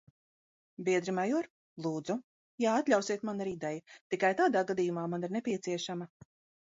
-Biedri, major. -Lūdzu? -Ja atļausiet, man ir ideja. Tikai tādā gadījumā man ir nepieciešama...